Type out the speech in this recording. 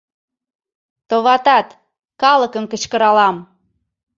Товатат, калыкым кычкыралам!